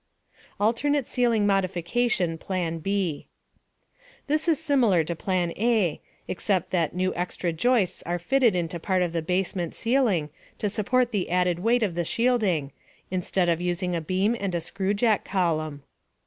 ALTERNATE CEILING MODIFICATION PLAN B This is similar to Plan A, except that new extra joists are fitted into part of the basement ceiling to support the added weight of the shielding (instead of using a beam and a screwjack column).